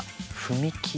踏切？